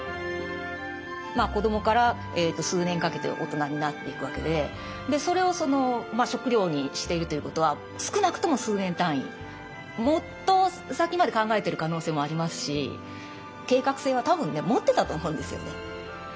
子どもから数年かけて大人になっていくわけでそれを食料にしているということは少なくとも数年単位もっと先まで考えてる可能性もありますし計画性は多分持ってたと思うんですよね。